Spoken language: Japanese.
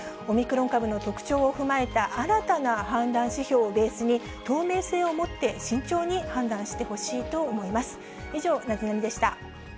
オミクロン株の特徴を踏まえた新たな判断指標をベースに、透明性をもって慎重に判断してほしいと思います。